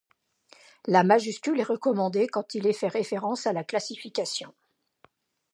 La majuscule est recommandée quand il est fait référence à la classification.